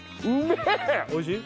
おいしい？